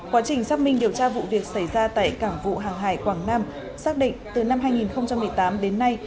quá trình xác minh điều tra vụ việc xảy ra tại cảng vụ hàng hải quảng nam xác định từ năm hai nghìn một mươi tám đến nay